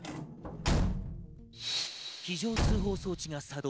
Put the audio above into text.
非常通報装置が作動。